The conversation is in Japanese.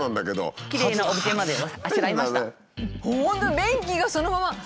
便器がそのまま。